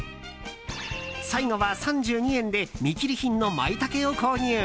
最後は３２円で見切り品のマイタケを購入。